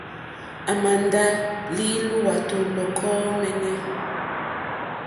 À màà ndá lí lùwàtù lɔ̀kɔ́ mǃɛ́ɛ́nɛ́.